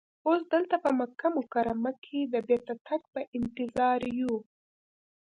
اوس دلته په مکه مکرمه کې د بېرته تګ په انتظار یو.